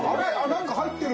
何か入ってる。